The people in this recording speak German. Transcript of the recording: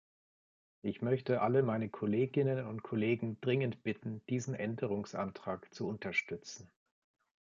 Ich möchte alle meine Kolleginnen und Kollegen dringend bitten, diesen Änderungsantrag zu unterstützen.